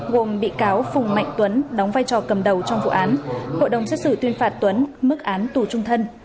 gồm bị cáo phùng mạnh tuấn đóng vai trò cầm đầu trong vụ án hội đồng xét xử tuyên phạt tuấn mức án tù trung thân